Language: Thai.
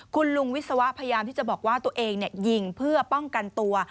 คุณลุงวิศวะพยายามที่จะบอกว่าตัวเองยิงเพื่อป้องกันตัว